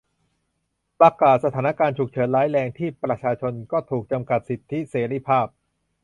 ประกาศสถานการณ์ฉุกเฉินร้ายแรง ที่ประชาชนก็ถูกจำกัดสิทธิเสรีภาพ